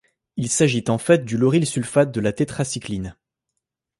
Il s'agit en fait du laurylsulfate de la tétracycline.